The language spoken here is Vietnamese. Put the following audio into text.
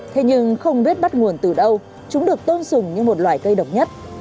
thế nhưng không biết bắt nguồn từ đâu chúng được tôn sùng như một loại cây độc nhất